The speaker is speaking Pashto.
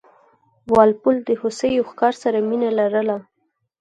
وال پول د هوسیو ښکار سره مینه لرله.